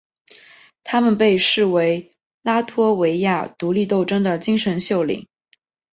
他们被视为拉脱维亚独立斗争的精神领袖。